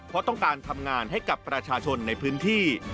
เพราะต้องการทำงานให้กับประชาชนในพื้นที่